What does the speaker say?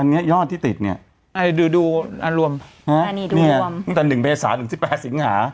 อันเนี้ยยอดที่ติดเนี้ยดูดูอันรวมฮะอันนี้ดูรวมแต่หนึ่งเมษาหนึ่งสิบแปดสิ้งหา